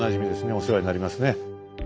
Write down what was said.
お世話になりますね。